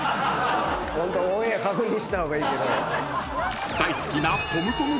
ホントオンエア確認した方がいいけど。